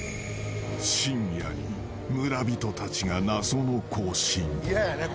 ［深夜に村人たちが謎の行進］